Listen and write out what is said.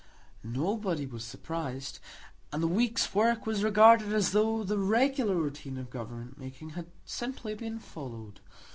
Nobody was surprised, and the week's work was regarded as though the regular routine of government making had simply been followed.